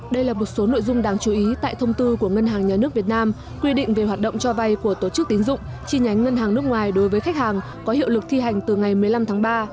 đây là một số nội dung đáng chú ý tại thông tư của ngân hàng nhà nước việt nam quy định về hoạt động cho vay của tổ chức tín dụng chi nhánh ngân hàng nước ngoài đối với khách hàng có hiệu lực thi hành từ ngày một mươi năm tháng ba